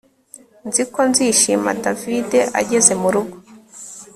Nzi ko nzishima David ageze murugo